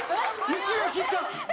１秒切った！